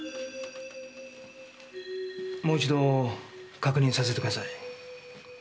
もう一度確認させてください。